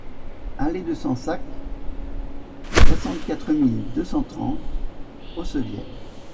Allée de Sensacq, soixante-quatre mille deux cent trente Aussevielle